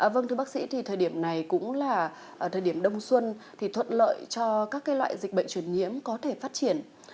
vâng thưa bác sĩ thì thời điểm này cũng là thời điểm đông xuân thì thuận lợi cho các loại dịch bệnh truyền nhiễm có thể phát triển